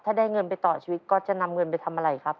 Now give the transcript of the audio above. ถ้าได้เงินไปต่อชีวิตก็จะนำเงินไปทำอะไรครับ